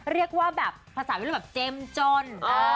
เรียกว่าแบบภาษาวิทยาลัยแบบเจ็มจน